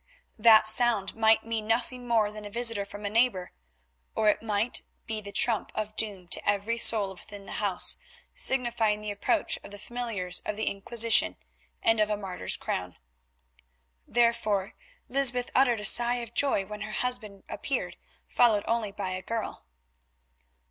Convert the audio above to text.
That sound might mean nothing more than a visit from a neighbour, or it might be the trump of doom to every soul within the house, signifying the approach of the familiars of the Inquisition and of a martyr's crown. Therefore Lysbeth uttered a sigh of joy when her husband appeared, followed only by a girl.